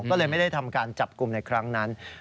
ก็เลยไม่ได้ทำการจับกลุ่มในครั้งนั้น